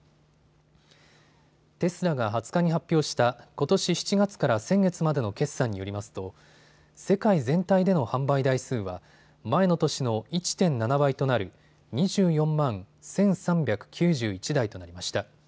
テスラが２０日に発表したことし７月から先月までの決算によりますと世界全体での販売台数は前の年の１．７倍となる２４万１３９１台となりました。